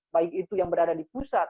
baik itu yang berada di pusat